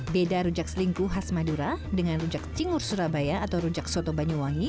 beda rujak selingkuh khas madura dengan rujak cingur surabaya atau rujak soto banyuwangi